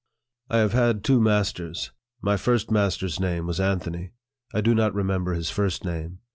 I have had two masters. My first master's name was Anthony. I do not remember his first name.